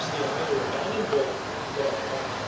the enemy to abandon Bowling Glreen without a p 'sst.